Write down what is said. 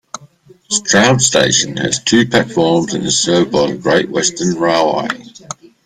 Stroud station has two platforms and is served by Great Western Railway.